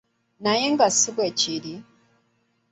Naye nga si bwe kiri.